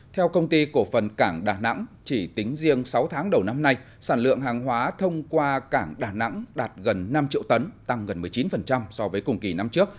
theo công ty cổ phần cảng đà nẵng chỉ tính riêng sáu tháng đầu năm nay sản lượng hàng hóa thông qua cảng đà nẵng đạt gần năm triệu tấn tăng gần một mươi chín so với cùng kỳ năm trước